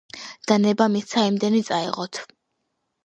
და ნება მისცა იმდენი წაეღოთ.